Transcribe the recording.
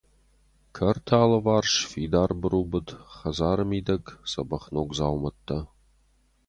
Кӕрты алыварс фидар быру быд, хӕдзары мидӕг дзӕбӕх ног дзауматӕ.